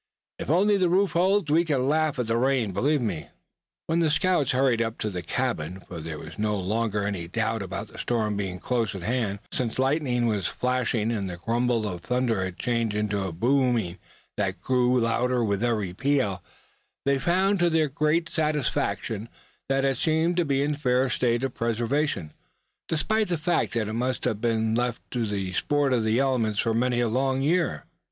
If the roof only holds, we can laugh at the rain, believe me." When the scouts hurried up to the cabin, for there was now no longer any doubt about the storm being close at hand, since lightning flashed and the grumble of thunder had changed into a booming that grew louder with every peal, they found to their great satisfaction that it seemed in a fair state of preservation, despite the fact that it must have been left to the sport of the elements for many a long year.